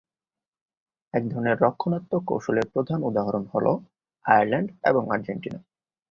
এধরনের রক্ষণাত্মক কৌশলের প্রধান উদাহরণ হল আয়ারল্যান্ড এবং আর্জেন্টিনা।